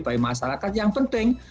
bagi masyarakat yang penting